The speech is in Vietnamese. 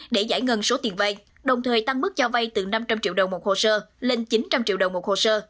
để giải ngân số tiền vay đồng thời tăng mức cho vay từ năm trăm linh triệu đồng một hồ sơ lên chín trăm linh triệu đồng một hồ sơ